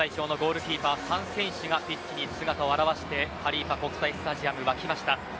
日本代表のゴールキーパー３選手がピッチに姿を現してハリーファ国際スタジアムが沸きました。